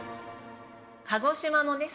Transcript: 鹿児島のね